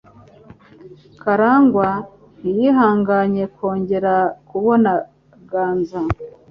Karangwa ntiyihanganye kongera kubona Ganza.